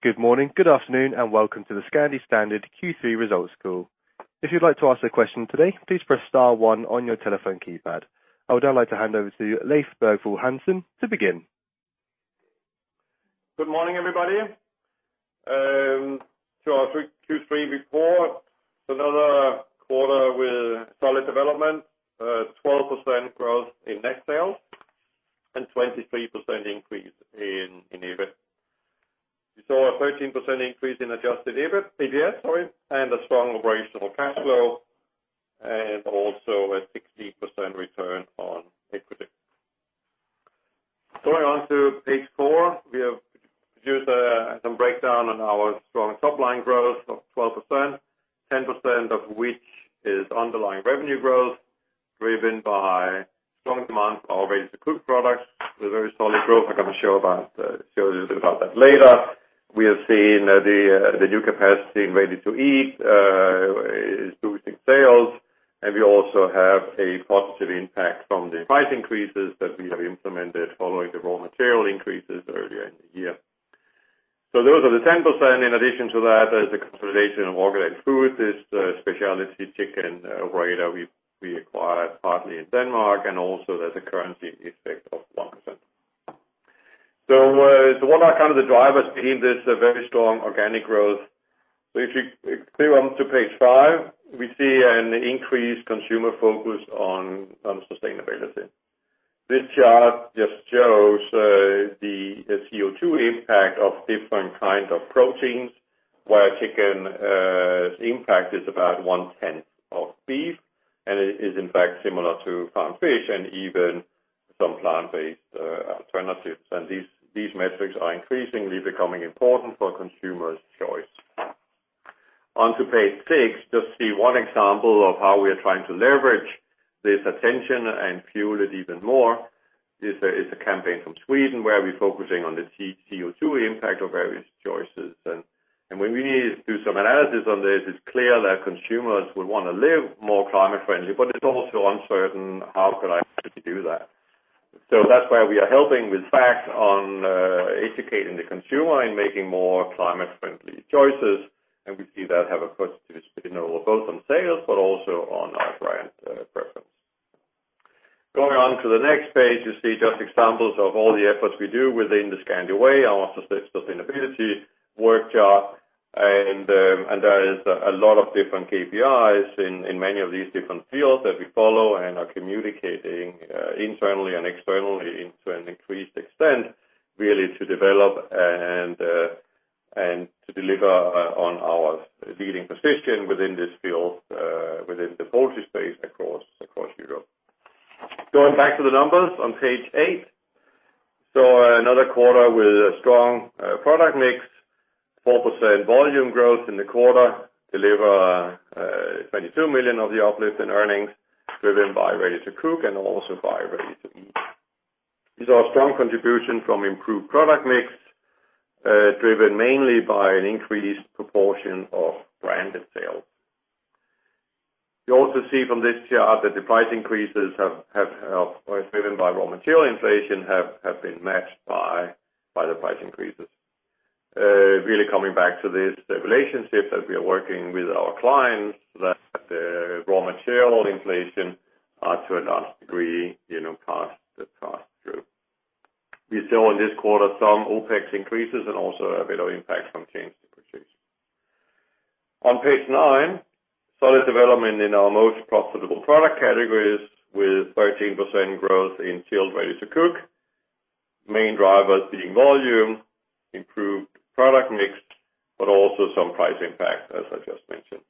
Good morning, good afternoon, and welcome to the Scandi Standard Q3 results call. If you'd like to ask a question today, please press star one on your telephone keypad. I would now like to hand over to Leif Bergvall Hansen to begin. Good morning, everybody. To our Q3 report, another quarter with solid development, 12% growth in net sales, and 23% increase in EBIT. We saw a 13% increase in adjusted EBITDA, sorry, and a strong operational cash flow, and also a 16% return on equity. Going on to page four, we have produced some breakdown on our strong top-line growth of 12%, 10% of which is underlying revenue growth, driven by strong demand for our Ready-to-Cook products with very solid growth. I am going to show you a little bit about that later. We have seen the new capacity in Ready-to-Eat is boosting sales, and we also have a positive impact from the price increases that we have implemented following the raw material increases earlier in the year. Those are the 10%. In addition to that, there is a consolidation of Organic Food. This is a specialty chicken brand that we acquired partly in Denmark, and also there's a currency effect of 1%. What are kind of the drivers behind this very strong organic growth? If you clear on to page five, we see an increased consumer focus on sustainability. This chart just shows the CO2 impact of different kinds of proteins, where chicken's impact is about one-tenth of beef, and it is in fact similar to farmed fish and even some plant-based alternatives. These metrics are increasingly becoming important for consumers' choice. On to page six, just see one example of how we are trying to leverage this attention and fuel it even more, is a campaign from Sweden where we're focusing on the CO2 impact of various choices. When we do some analysis on this, it's clear that consumers would want to live more climate-friendly, but it's also uncertain how could I actually do that. That's why we are helping with facts on educating the consumer in making more climate-friendly choices. We see that have a positive spin both on sales but also on our brand preference. Going on to the next page, you see just examples of all the efforts we do within the Scandi Way, our sustainability workshop, and there is a lot of different KPIs in many of these different fields that we follow and are communicating internally and externally to an increased extent, really to develop and to deliver on our leading position within this field, within the poultry space across Europe. Going back to the numbers on page eight. Another quarter with a strong product mix, 4% volume growth in the quarter, deliver 22 million of the uplift in earnings, driven by Ready-to-Cook and also by Ready-to-Eat. These are strong contribution from improved product mix, driven mainly by an increased proportion of branded sales. You also see from this chart that the price increases driven by raw material inflation have been matched by the price increases. Really coming back to this relationship that we are working with our clients, that the raw material inflation are to a large degree passed through. We saw in this quarter some OpEx increases and also a bit of impact from change to purchase. On page nine, solid development in our most profitable product categories with 13% growth in chilled Ready-to-Cook, main drivers being volume, improved product mix, but also some price impact, as I just mentioned.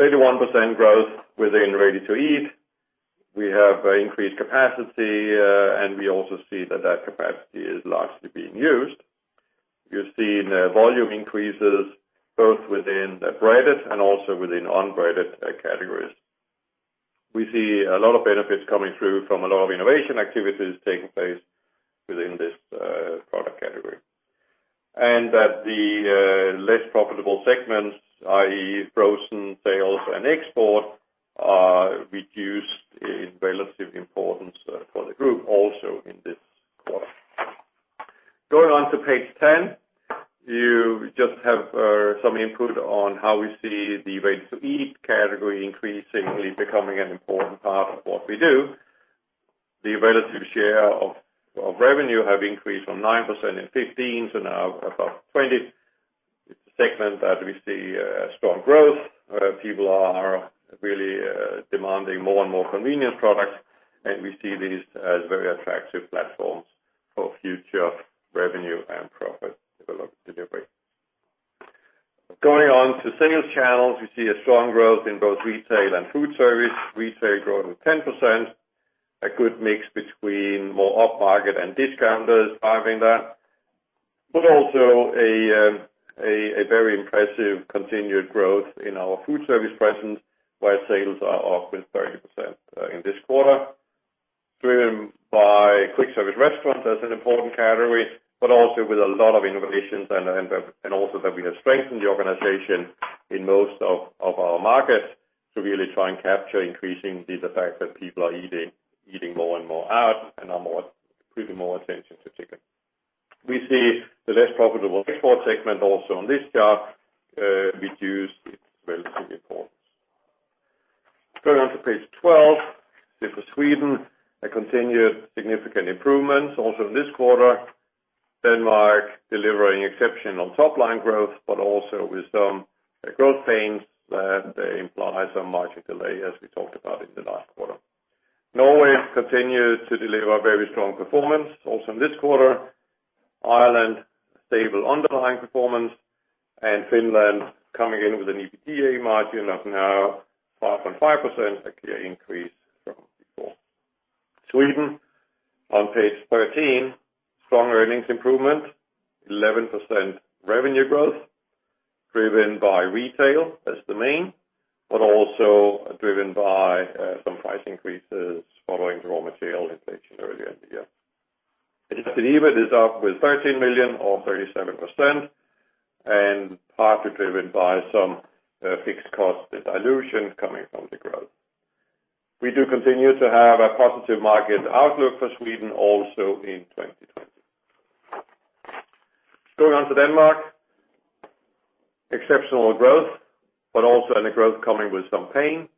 31% growth within Ready-to-Eat. We have increased capacity, and we also see that that capacity is largely being used. You're seeing volume increases both within the branded and also within unbranded categories. We see a lot of benefits coming through from a lot of innovation activities taking place within this product category. That the less profitable segments, i.e., frozen sales and export, are reduced in relative importance for the group also in this quarter. Going on to page 10. You just have some input on how we see the Ready-to-Eat category increasingly becoming an important part of what we do. The relative share of revenue have increased from 9% in 2015 to now above 20%. It's a segment that we see strong growth. People are really demanding more and more convenient products. We see this as very attractive platforms for future revenue and profit delivery. Going on to sales channels, we see a strong growth in both retail and food service. Retail growing 10%, a good mix between more up-market and discounters driving that, but also a very impressive continued growth in our food service presence, where sales are up with 30% in this quarter, driven by quick service restaurants as an important category, but also with a lot of innovations, and also that we have strengthened the organization in most of our markets to really try and capture increasing the fact that people are eating more and more out and are putting more attention to chicken. We see the less profitable export segment also on this chart reduced its relative importance. Going on to page 12, this is Sweden, a continued significant improvement also in this quarter. Denmark delivering exceptional top-line growth, but also with some growth pains that they imply some margin delay as we talked about in the last quarter. Norway continued to deliver very strong performance also in this quarter. Ireland, stable underlying performance, and Finland coming in with an EBITDA margin of now 5.5%, a clear increase from before. Sweden, on page 13, strong earnings improvement, 11% revenue growth driven by retail as the main, but also driven by some price increases following raw material inflation earlier in the year. Adjusted EBIT is up with 13 million or 37% and partly driven by some fixed cost dilution coming from the growth. We do continue to have a positive market outlook for Sweden also in 2020. Going on to Denmark, exceptional growth, but also any growth coming with some pain.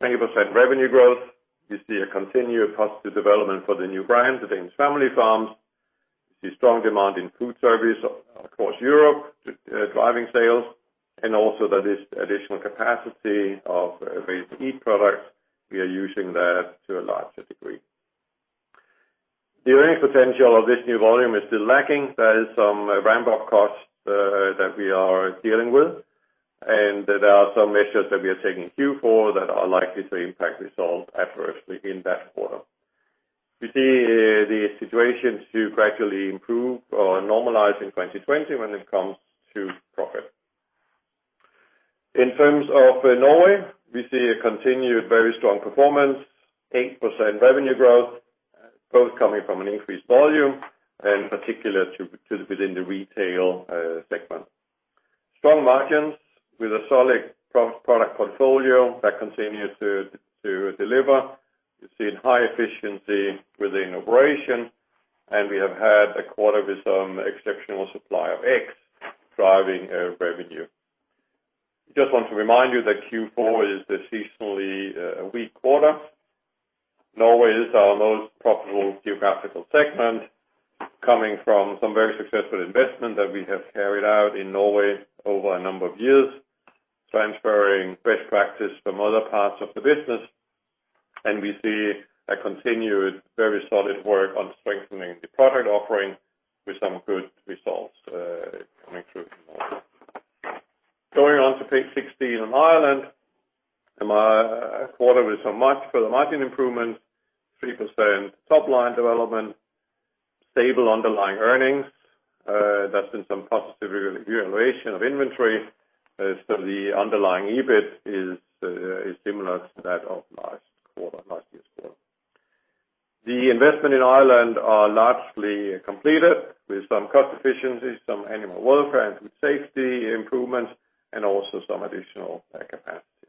20% revenue growth. You see a continued positive development for the new brand, The Danish Family Farms. You see strong demand in food service across Europe, driving sales, and also that this additional capacity of Ready-to-Eat products, we are using that to a larger degree. The earning potential of this new volume is still lacking. There is some ramp-up costs that we are dealing with, and there are some measures that we are taking in Q4 that are likely to impact results adversely in that quarter. We see the situation to gradually improve or normalize in 2020 when it comes to profit. In terms of Norway, we see a continued very strong performance, 8% revenue growth, both coming from an increased volume and particular within the retail segment. Strong margins with a solid product portfolio that continue to deliver. We've seen high efficiency within operation, and we have had a quarter with some exceptional supply of eggs driving revenue. I want to remind you that Q4 is a seasonally weak quarter. Norway is our most profitable geographical segment, coming from some very successful investment that we have carried out in Norway over a number of years, transferring best practice from other parts of the business. We see a continued very solid work on strengthening the product offering with some good results coming through in Norway. Going on to page 16 on Ireland. A quarter with some much further margin improvement, 3% top-line development, stable underlying earnings. That's been some positive revaluation of inventory. The underlying EBIT is similar to that of last quarter, last year's quarter. The investment in Ireland are largely completed with some cost efficiencies, some animal welfare and food safety improvements, and also some additional capacity.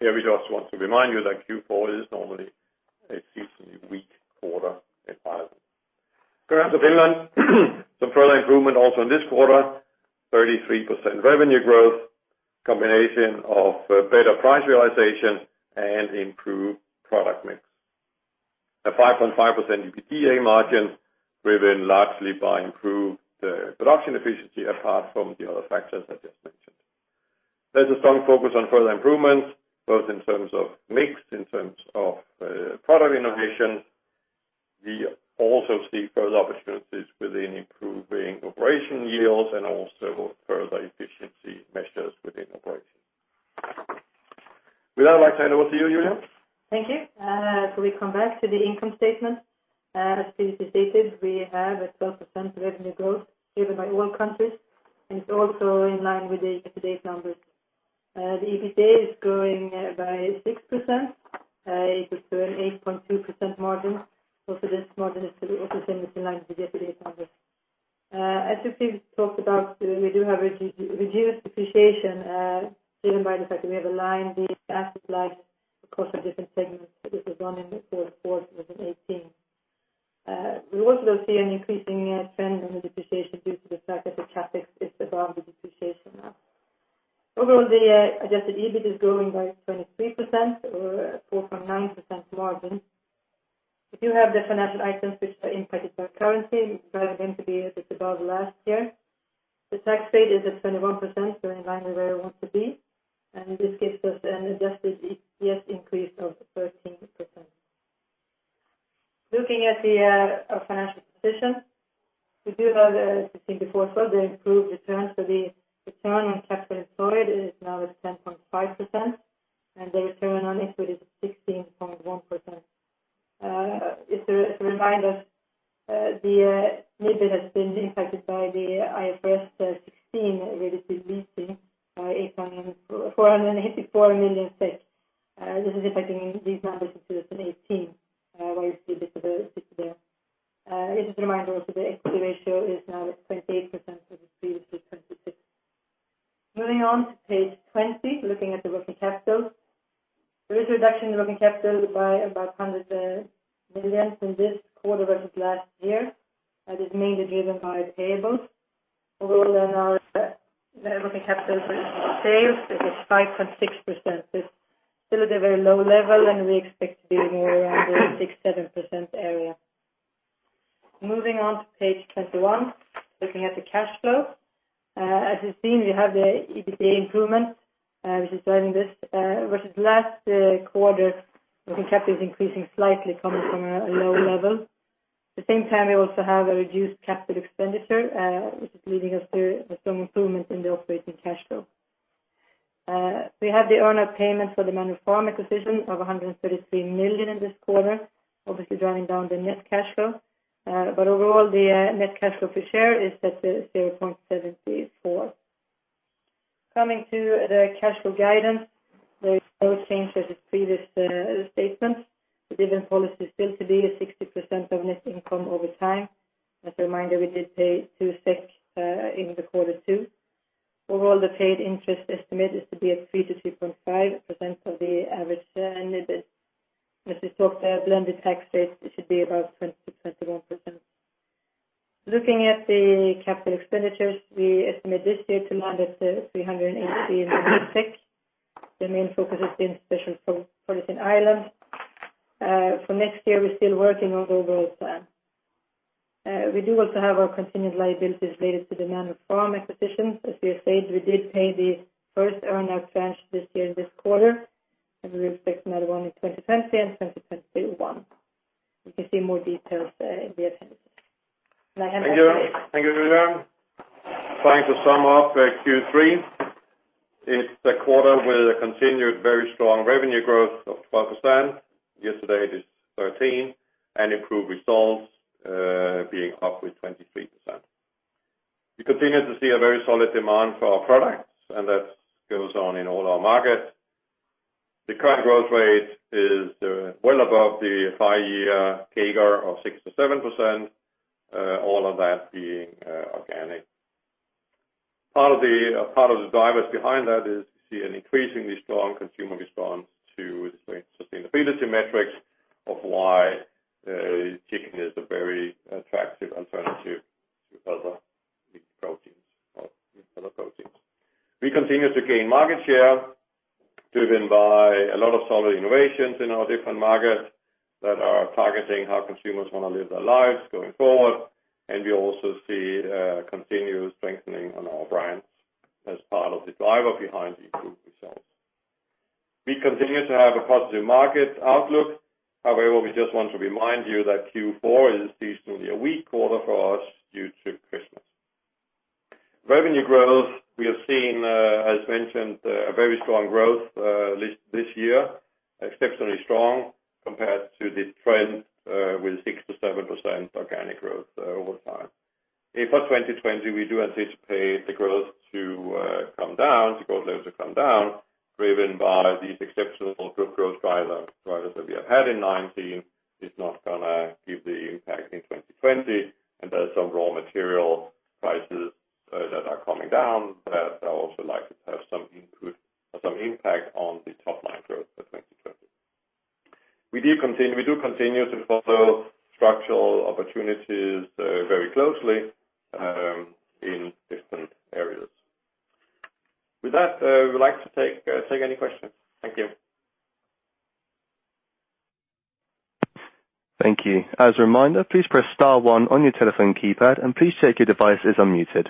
Here, we just want to remind you that Q4 is normally a seasonally weak quarter in Ireland. Going on to Finland. Some further improvement also in this quarter. 33% revenue growth, combination of better price realization and improved product mix. A 5.5% EBITDA margin driven largely by improved production efficiency apart from the other factors I just mentioned. There's a strong focus on further improvements, both in terms of mix, in terms of product innovation. We also see further opportunities within improving operation yields and also further efficiency measures within operation. With that, I'd like to hand over to you, Julia. Thank you. We come back to the income statement. As Leif stated, we have a 12% revenue growth driven by all countries, and it's also in line with the year-to-date numbers. The EBITDA is growing by 6% equal to an 8.2% margin. This margin is also in line with the year-to-date numbers. As Leif talked about, we do have reduced depreciation, driven by the fact that we have aligned the asset lives across our different segments. This was running before Q4 2018. We also see an increasing trend in the depreciation due to the fact that the CapEx is above the depreciation now. Overall, the adjusted EBIT is growing by 23% or 4.9% margin. We do have the financial items which are impacted by currency, which drive them to be a bit above last year. The tax rate is at 21%, so in line with where we want to be, and this gives us an adjusted EPS increase of 13%. Looking at our financial position. We do have, as you've seen before as well, the improved return. The return on capital employed is now at 10.5%, and the return on equity is 16.1%. Just to remind us, the EBIT has been impacted by the IFRS 16 related leasing by 484 million effect. This is affecting these numbers in 2018, where you see this liability there. Just a reminder also, the equity ratio is now at 28% for the previous year 2015. Moving on to page 20, looking at the working capital. There is a reduction in working capital by about 100 million from this quarter versus last year. That is mainly driven by payables. Overall, our working capital for sales is at 5.6%. It's still at a very low level. We expect to be more around the 6%-7% area. Moving on to page 21, looking at the cash flow. As you've seen, we have the EBITDA improvement, which is driving this versus last quarter. Working capital is increasing slightly coming from a low level. At the same time, we also have a reduced capital expenditure, which is leading us to some improvement in the operating cash flow. We have the earn out payment for the Manor Farm acquisition of 133 million in this quarter, obviously driving down the net cash flow. Overall, the net cash flow per share is at 0.74. Coming to the cash flow guidance, there is no change to the previous statement. The dividend policy is still to be at 60% of net income over time. As a reminder, we did pay 2 SEK in the quarter two. Overall, the paid interest estimate is to be at 3%-3.5% of the average ended. As we talked, blended tax rate should be about 20%-21%. Looking at the capital expenditures, we estimate this year to land at 380 million SEK. The main focus has been especially for Poland and Ireland. For next year, we're still working on the overall plan. We do also have our continued liabilities related to the Manor Farm acquisition. As we have said, we did pay the first earn-out tranche this year in this quarter, and we will expect another one in 2020 and 2021. You can see more details in the appendix. I hand over to Leif. Thank you, Julia. Trying to sum up Q3. It's a quarter with a continued very strong revenue growth of 12%. Year to date, it is 13%, and improved results being up with 23%. We continue to see a very solid demand for our products, and that goes on in all our markets. The current growth rate is well above the five-year CAGR of 6%-7%, all of that being organic. Part of the drivers behind that is we see an increasingly strong consumer response to the sustainability metrics of why chicken is a very attractive alternative to other meat proteins. We continue to gain market share driven by a lot of solid innovations in our different markets that are targeting how consumers want to live their lives going forward. We also see a continued strengthening on our brands as part of the driver behind the improved results. We continue to have a positive market outlook. We just want to remind you that Q4 is seasonally a weak quarter for us due to Christmas. Revenue growth, we have seen, as mentioned, a very strong growth this year, exceptionally strong compared to the trend, with 6%-7% organic growth over time. For 2020, we do anticipate the growth to come down, the growth levels to come down, driven by these exceptional growth drivers that we have had in 2019. It's not going to give the impact in 2020, there's some raw material prices that are coming down that are also likely to have some impact on the top-line growth for 2020. We do continue to follow structural opportunities very closely in different areas. With that, we would like to take any questions. Thank you. Thank you. As a reminder, please press star one on your telephone keypad and please check your device is unmuted.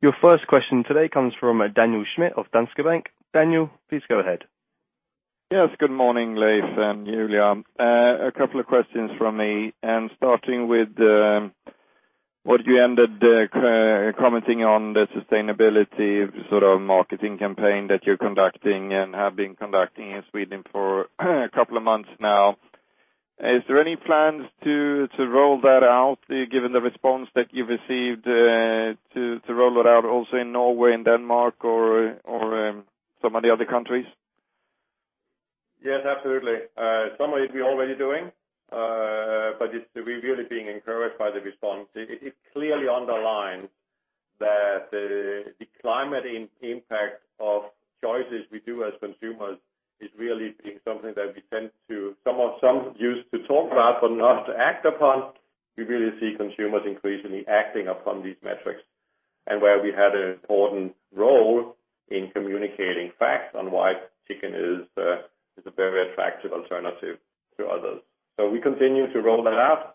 Your first question today comes from Daniel Schmidt of Danske Bank. Daniel, please go ahead. Yes, good morning, Leif and Julia. A couple of questions from me, and starting with what you ended commenting on the sustainability sort of marketing campaign that you're conducting and have been conducting in Sweden for a couple of months now. Is there any plans to roll that out, given the response that you've received, to roll it out also in Norway and Denmark or some of the other countries? Yes, absolutely. Some of it we're already doing. We're really being encouraged by the response. It clearly underlines that the climate impact of choices we do as consumers is really being something that we tend to somewhat use to talk about, but not to act upon. We really see consumers increasingly acting upon these metrics, and where we had an important role in communicating facts on why chicken is a very attractive alternative to others. We continue to roll that out,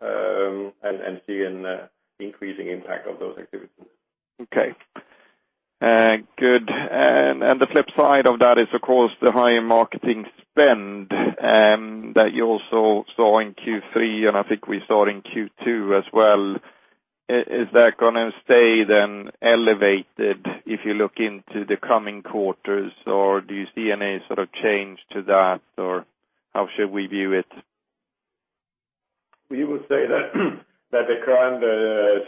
and see an increasing impact of those activities. Okay. Good. The flip side of that is, of course, the higher marketing spend that you also saw in Q3, and I think we saw in Q2 as well. Is that going to stay then elevated if you look into the coming quarters, or do you see any sort of change to that, or how should we view it? We would say that the current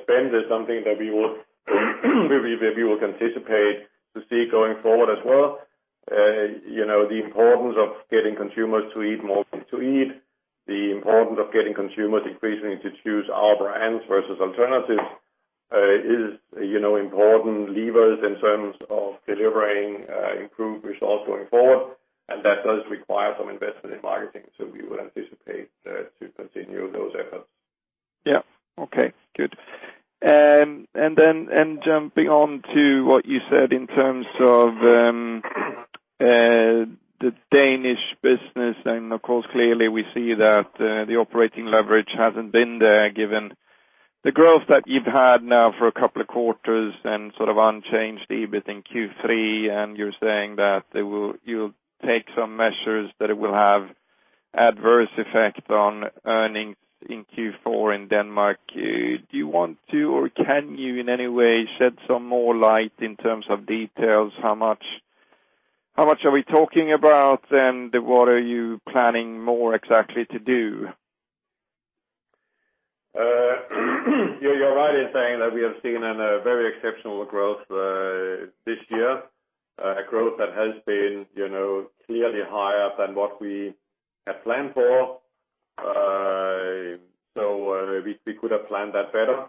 spend is something that we will anticipate to see going forward as well. The importance of getting consumers to eat more, the importance of getting consumers increasingly to choose our brands versus alternatives is important levers in terms of delivering improved results going forward, and that does require some investment in marketing. We would anticipate to continue those efforts. Yeah. Okay, good. Jumping on to what you said in terms of the Danish business, and of course, clearly we see that the operating leverage hasn't been there, given the growth that you've had now for a couple of quarters and sort of unchanged EBIT in Q3, and you're saying that you'll take some measures, that it will have adverse effect on earnings in Q4 in Denmark. Do you want to, or can you in any way, shed some more light in terms of details? How much are we talking about and what are you planning more exactly to do? You're right in saying that we have seen a very exceptional growth this year. A growth that has been clearly higher than what we had planned for. We could have planned that better,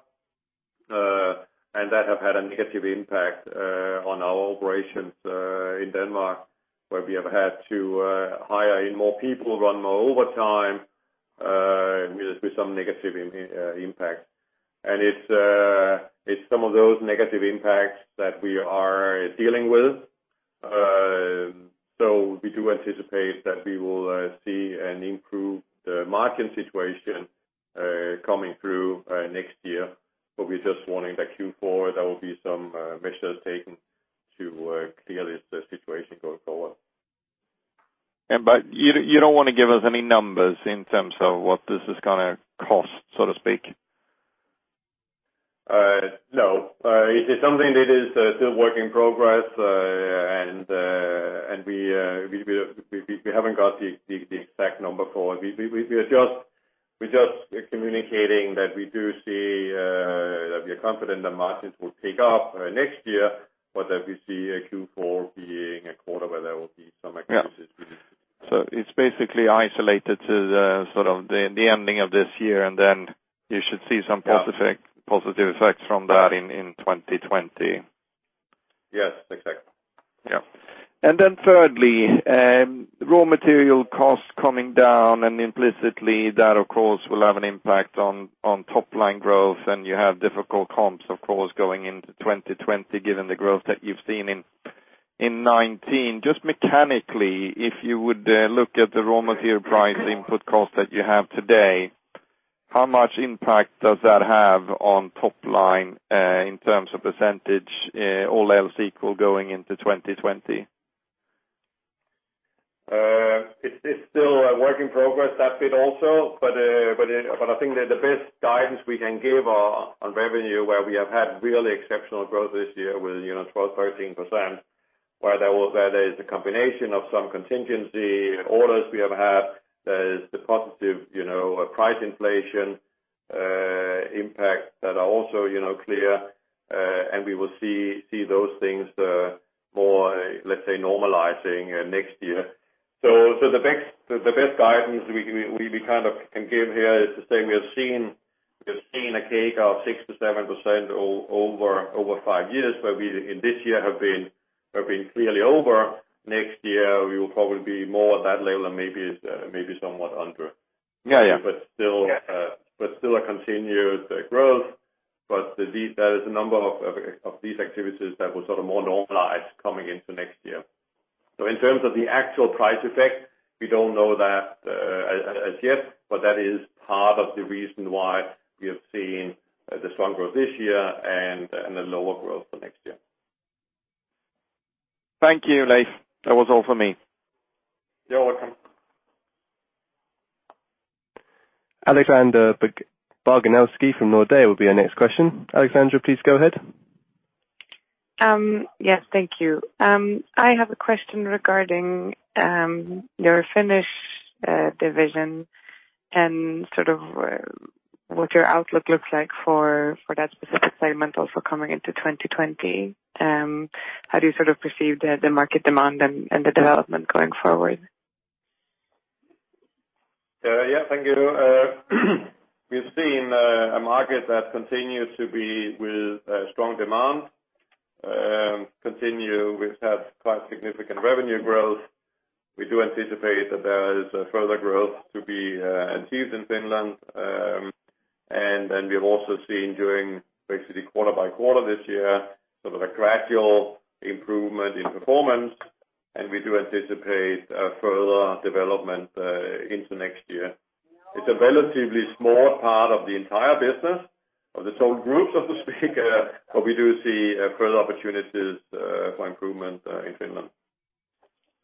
and that have had a negative impact on our operations in Denmark, where we have had to hire in more people, run more overtime, with some negative impact. It's some of those negative impacts that we are dealing with. We do anticipate that we will see an improved margin situation coming through next year, but we're just warning that Q4, there will be some measures taken to clear this situation going forward. You don't want to give us any numbers in terms of what this is going to cost, so to speak? No. It is something that is still work in progress, and we haven't got the exact number for it. We're just communicating that we do see that we are confident that margins will pick up next year, but that we see Q4 being a quarter where there will be some activities. It's basically isolated to the sort of the ending of this year, and then you should see some positive effects from that in 2020. Yes, exactly. Yeah. Thirdly, raw material costs coming down, and implicitly that, of course, will have an impact on top-line growth. You have difficult comps, of course, going into 2020 given the growth that you've seen in 2019. Just mechanically, if you would look at the raw material price input cost that you have today, how much impact does that have on top-line in terms of percentage, all else equal going into 2020? It's still a work in progress, that bit also, but I think that the best guidance we can give on revenue, where we have had really exceptional growth this year with 12%, 13%, where there is a combination of some contingency orders we have had. There is the positive price inflation impact that are also clear, and we will see those things more, let's say, normalizing next year. The best guidance we kind of can give here is to say we have seen a CAGR of 6%-7% over five years, where we in this year have been clearly over. Next year, we will probably be more at that level and maybe somewhat under. Yeah. Still a continued growth, but there is a number of these activities that will sort of more normalize coming into next year. In terms of the actual price effect, we don't know that as yet, but that is part of the reason why we have seen the strong growth this year and the lower growth for next year. Thank you, Leif. That was all for me. You're welcome. Alexandra Barganovski from Nordea will be our next question. Alexandra, please go ahead. Yes. Thank you. I have a question regarding your Finnish division and sort of what your outlook looks like for that specific segment also coming into 2020. How do you sort of perceive the market demand and the development going forward? Yeah. Thank you. We've seen a market that continues to be with strong demand. We've had quite significant revenue growth. We do anticipate that there is further growth to be achieved in Finland. We've also seen during basically quarter by quarter this year, sort of a gradual improvement in performance, and we do anticipate a further development into next year. It's a relatively small part of the entire business of the total groups, so to speak, but we do see further opportunities for improvement in Finland,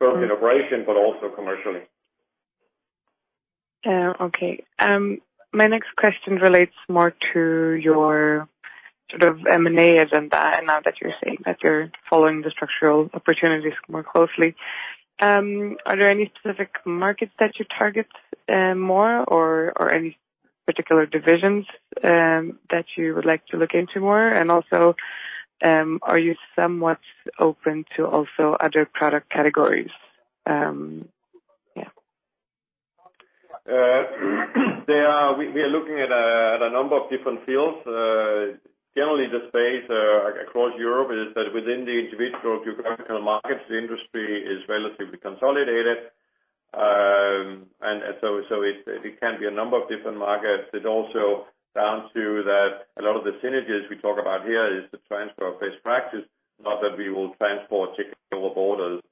both in operation but also commercially. Okay. My next question relates more to your sort of M&A agenda, and now that you're saying that you're following the structural opportunities more closely. Are there any specific markets that you target more or any particular divisions that you would like to look into more? Also, are you somewhat open to also other product categories? Yeah. We are looking at a number of different fields. Generally, the space across Europe is that within the individual geographical markets, the industry is relatively consolidated. It can be a number of different markets. It's also down to that a lot of the synergies we talk about here is the transfer of best practice, not that we will transfer chicken over borders.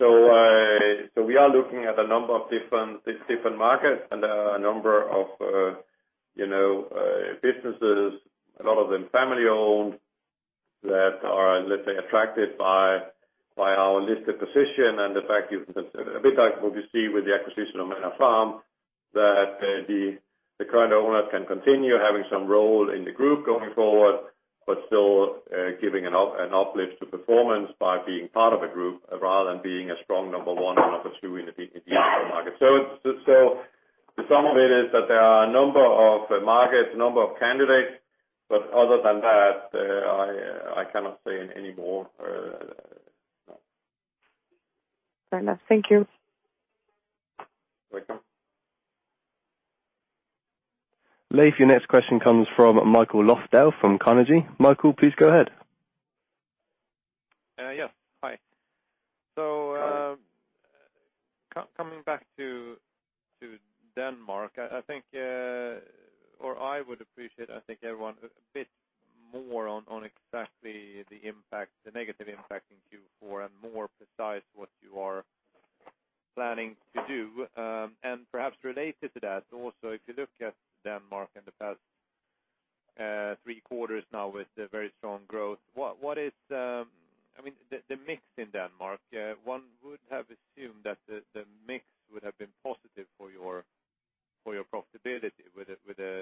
We are looking at a number of different markets and a number of businesses, a lot of them family-owned, that are, let's say, attracted by our listed position and the fact is, a bit like what we see with the acquisition of Manor Farm, that the current owner can continue having some role in the group going forward, but still giving an uplift to performance by being part of a group rather than being a strong number one or number two in a particular market. The sum of it is that there are a number of markets, a number of candidates, but other than that, I cannot say any more. Fair enough. Thank you. Welcome. Leif, your next question comes from Michael Löfdahl from Carnegie. Michael, please go ahead. Yes. Hi. Coming back to Denmark, or I would appreciate a bit more on exactly the negative impact in Q4 and more precise what you are planning to do. Perhaps related to that also, if you look at Denmark in the past three quarters now with very strong growth, the mix in Denmark, one would have assumed that the mix would have been positive for your profitability with a lower share of revenues coming from the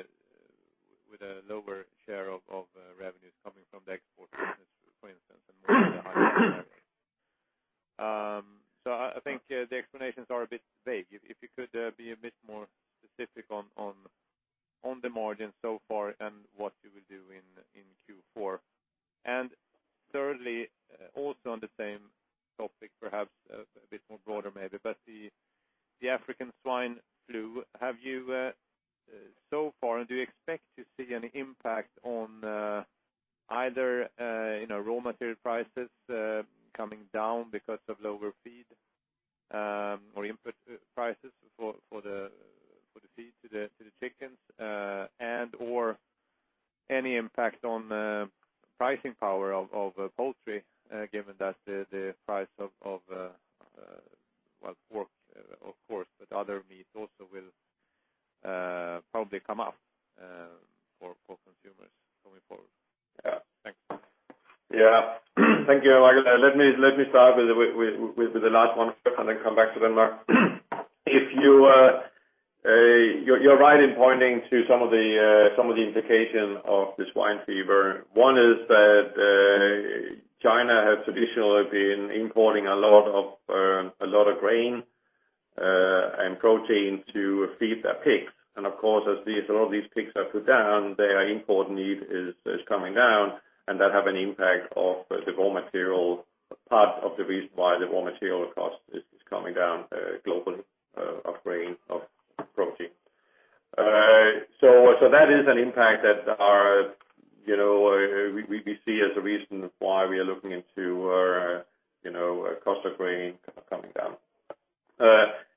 part of the reason why the raw material cost is coming down globally of grain, of protein. That is an impact that we see as a reason why we are looking into cost of grain coming down.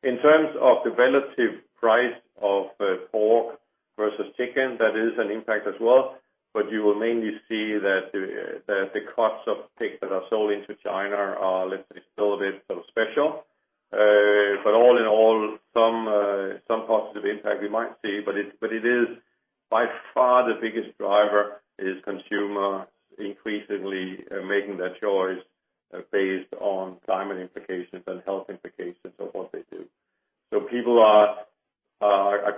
In terms of the relative price of pork versus chicken, that is an impact as well, but you will mainly see that the costs of pigs that are sold into China are, let's say, still a bit special. All in all, some positive impact we might see, but it is by far the biggest driver is consumers increasingly making their choice based on climate implications and health implications of what they do. People are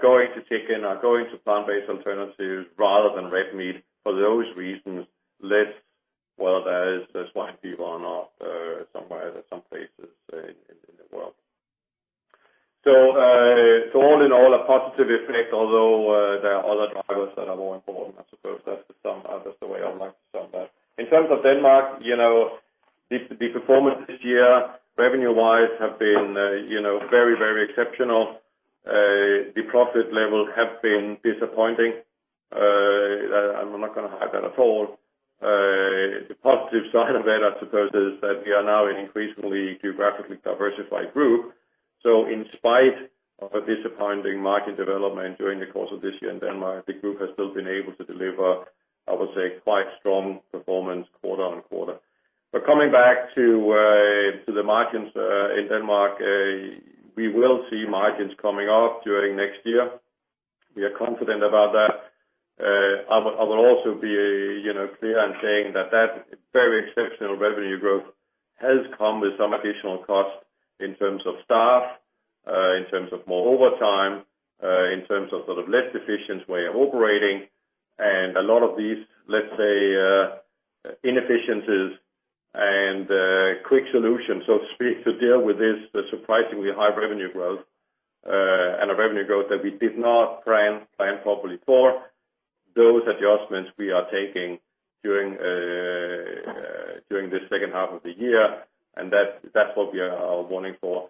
going to chicken, are going to plant-based alternatives rather than red meat for those reasons, less whether there's swine fever or not somewhere at some places in the world. All in all, a positive effect, although there are other drivers that are more important. I suppose that's the way I would like to sum that. In terms of Denmark, the performance this year revenue-wise have been very exceptional. The profit level have been disappointing. I'm not going to hide that at all. The positive side of that, I suppose, is that we are now an increasingly geographically diversified group. In spite of a disappointing market development during the course of this year in Denmark, the group has still been able to deliver, I would say, quite strong performance quarter-on-quarter. Coming back to the margins in Denmark, we will see margins coming up during next year. We are confident about that. I would also be clear in saying that that very exceptional revenue growth has come with some additional cost in terms of staff. In terms of more overtime, in terms of less efficient way of operating, and a lot of these, let's say, inefficiencies and quick solutions, so to speak, to deal with this surprisingly high revenue growth, and a revenue growth that we did not plan properly for. Those adjustments we are taking during the second half of the year. That's what we are warning for.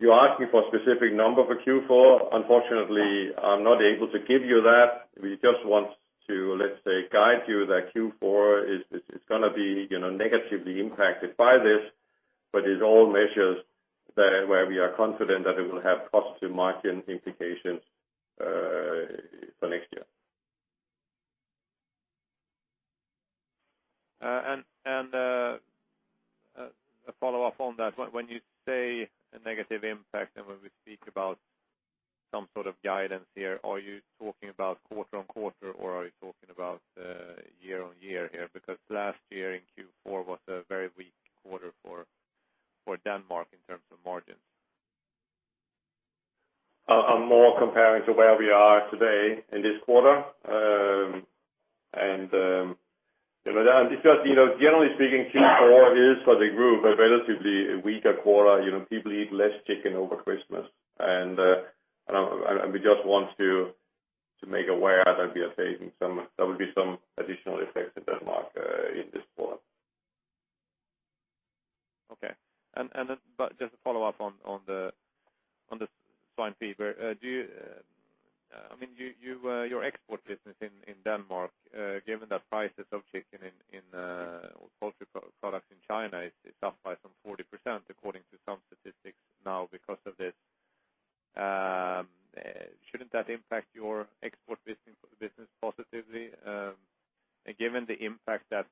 You're asking for a specific number for Q4. Unfortunately, I'm not able to give you that. We just want to, let's say, guide you that Q4 is going to be negatively impacted by this. It's all measures where we are confident that it will have positive margin implications for next year. A follow-up on that. When you say a negative impact, and when we speak about some sort of guidance here, are you talking about quarter-on-quarter or are you talking about year-on-year here? Because last year in Q4 was a very weak quarter for Denmark in terms of margins. I'm more comparing to where we are today in this quarter.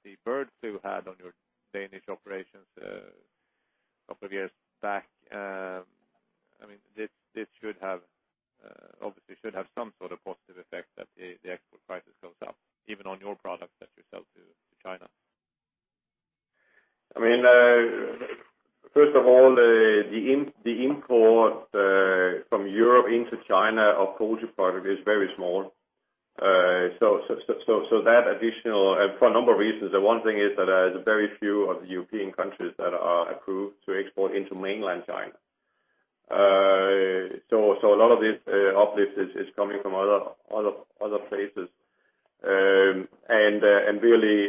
the bird flu had on your Danish operations a couple of years back, this obviously should have some sort of positive effect that the export prices goes up, even on your products that you sell to China. First of all, the import from Europe into China of poultry product is very small. For a number of reasons, the one thing is that there are very few of the European countries that are approved to export into mainland China. A lot of this uplift is coming from other places. Really,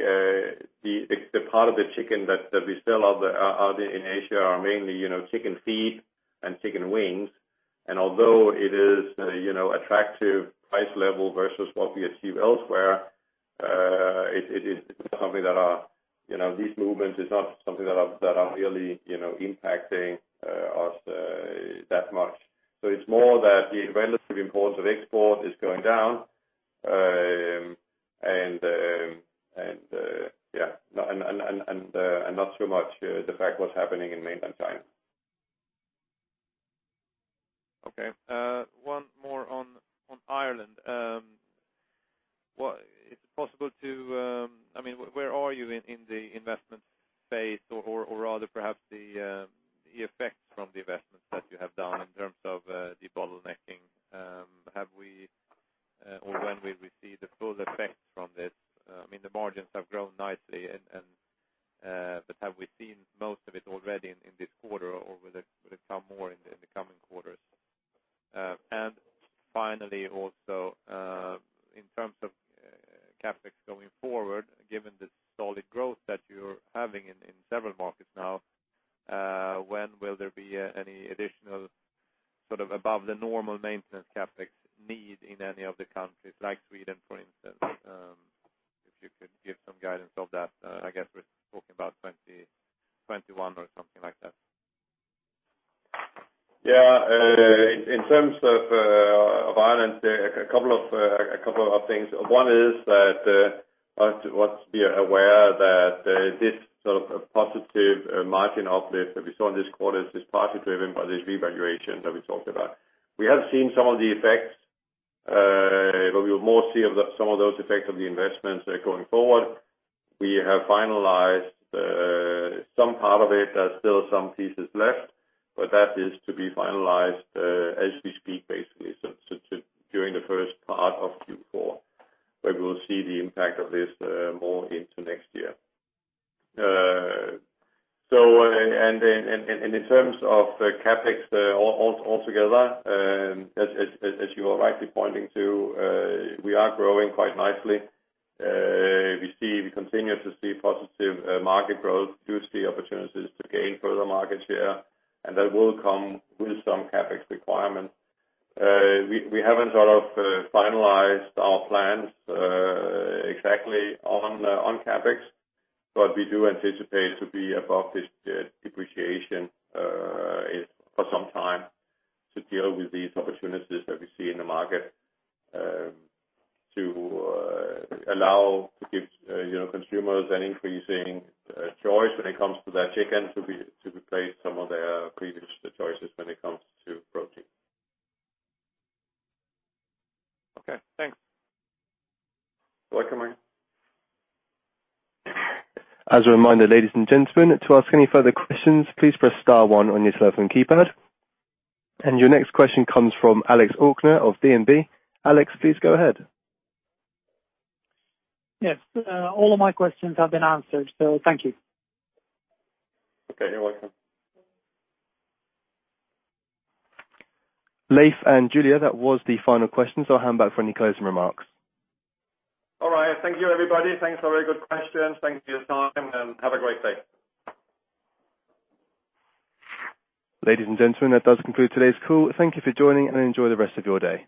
the part of the chicken that we sell out in Asia are mainly chicken feet and chicken wings. Although it is attractive price level versus what we achieve elsewhere, these movements is not something that are really impacting us that much. It's more that the relative importance of export is going down, and not so much the fact what's happening in mainland China. Okay. One more on Ireland. Where are you in the investment phase or rather perhaps the effects from the investments that you have done in terms of the bottlenecking? When will we see the full effects from this? The margins have grown nicely, have we seen most of it already in this quarter or will it come more in the coming quarters? Finally, also, in terms of CapEx going forward, given the solid growth that you're having in several markets now, when will there be any additional above the normal maintenance CapEx need in any of the countries like Sweden, for instance? If you could give some guidance of that, I guess we're talking about 2021 or something like that. Yeah. In terms of Ireland, a couple of things. One is that one's to be aware that this sort of positive margin uplift that we saw in this quarter is partly driven by this revaluation that we talked about. We have seen some of the effects, but we'll more see some of those effects of the investments going forward. We have finalized some part of it. There's still some pieces left, but that is to be finalized as we speak, basically, so during the first part of Q4, where we will see the impact of this more into next year. In terms of the CapEx altogether, as you are rightly pointing to, we are growing quite nicely. We continue to see positive market growth, do see opportunities to gain further market share, and that will come with some CapEx requirements. We haven't finalized our plans exactly on CapEx. We do anticipate to be above this depreciation for some time to deal with these opportunities that we see in the market, to allow to give consumers an increasing choice when it comes to their chicken to replace some of their previous choices when it comes to protein. Okay, thanks. You're welcome. As a reminder, ladies and gentlemen, to ask any further questions, please press star one on your telephone keypad. Your next question comes from Alex Ochner of DNB. Alex, please go ahead. Yes. All of my questions have been answered, so thank you. Okay. You're welcome. Leif and Julia, that was the final question, so I'll hand back for any closing remarks. All right. Thank you, everybody. Thanks for all your good questions. Thanks for your time, and have a great day. Ladies and gentlemen, that does conclude today's call. Thank you for joining, and enjoy the rest of your day.